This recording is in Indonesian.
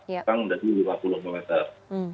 yang dari dua puluh lima meter